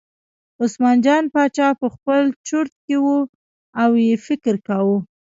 عثمان جان باچا په خپل چورت کې و او یې فکر کاوه.